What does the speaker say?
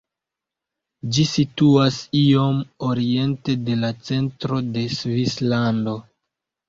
Ĝi situas iom oriente de la centro de Svislando.